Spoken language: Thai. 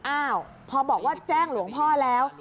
อ้าวพอบอกว่าแจ้งหลวงพ่อแล้ว